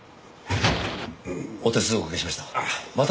お手数おかけしました。